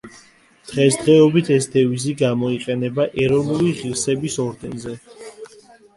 დღესდღეობით ეს დევიზი გამოიყენება ეროვნული ღირსების ორდენზე.